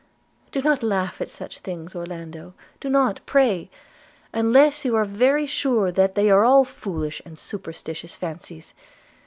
'Do not laugh at such things, Orlando, do not, pray! unless you are very sure they are all foolish and superstitious fancies.